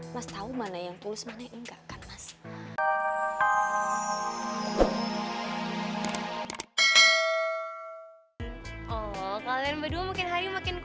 mas tahu mana yang tulus mana yang enggak kan mas